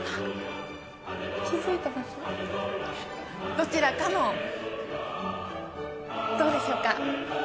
どちらかのどうでしょうか？